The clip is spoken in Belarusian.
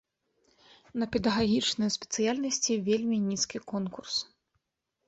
На педагагічныя спецыяльнасці вельмі нізкі конкурс.